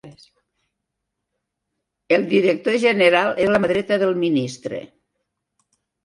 El director general és la mà dreta del ministre.